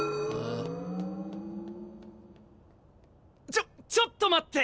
ちょちょっと待って！